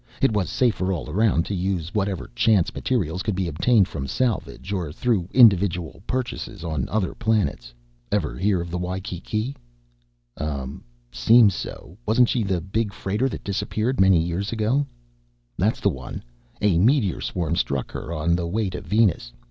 It was safer all around to use whatever chance materials could be obtained from salvage or through individual purchases on other planets. Ever hear of the Waikiki?" "Ummm seems so wasn't she the big freighter that disappeared many years ago?" "That's the one. A meteor swarm struck her on the way to Venus.